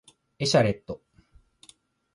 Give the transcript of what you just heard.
エシャレット